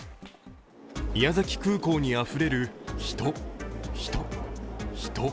宮崎空港にあふれる人、人、人。